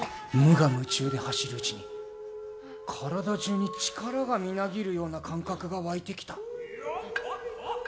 無我夢中で走るうちに体中に力がみなぎるような感覚が湧いてきた。